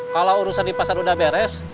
kalau urusan di pasar sudah beres